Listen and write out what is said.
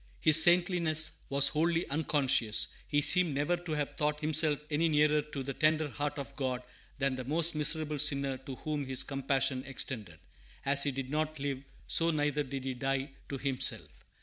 His saintliness was wholly unconscious; he seems never to have thought himself any nearer to the tender heart of God than the most miserable sinner to whom his compassion extended. As he did not live, so neither did he die to himself.